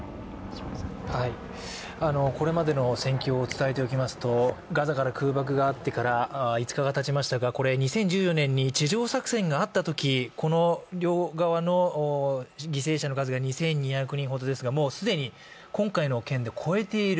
これまでの戦況を伝えておきますとガザから空爆があってから５日がたちましたがこれ２０１４年に地上作戦があったときこの両側の犠牲者の数が２２００人ほどですが、既に今回の件で超えている。